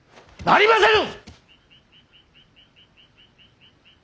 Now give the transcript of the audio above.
なりませぬ！